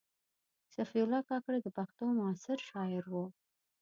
صفي الله کاکړ د پښتو معاصر شاعر و.